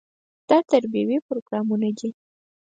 دا تربیوي پروګرامونه دي.